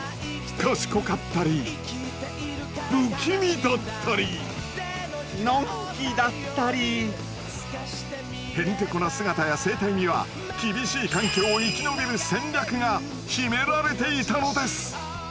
賢かったり不気味だったりのんきだったりへんてこな姿や生態には厳しい環境を生き延びる戦略が秘められていたのです。